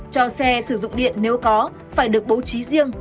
cho xe sử dụng điện nếu có phải được bố trí riêng